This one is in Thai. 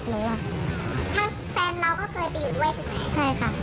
ทั้งแฟนเราก็เคยไปอยู่ด้วยใช่ไหม